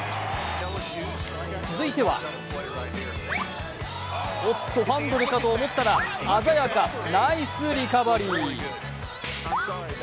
続いてはおっとファンブルかと思ったら鮮やか、ナイスリカバリー。